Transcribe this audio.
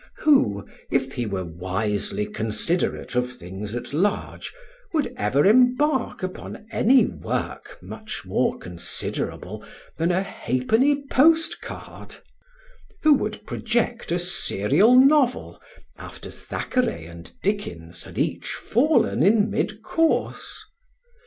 Who, if he were wisely considerate of things at large, would ever embark upon any work much more considerable than a halfpenny post card? Who would project a serial novel, after Thackeray and Dickens had each fallen in mid course?